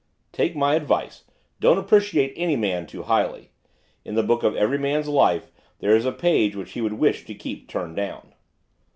'Take my advice, don't appreciate any man too highly. In the book of every man's life there is a page which he would wish to keep turned down.